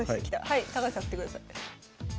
はい高橋さん振ってください。